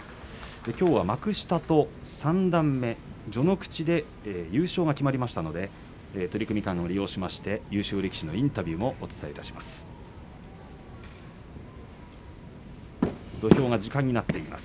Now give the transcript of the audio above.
きょうは幕下と三段目、序ノ口で優勝が決まりましたので取組間を利用しまして優勝力士のインタビューもお伝えします。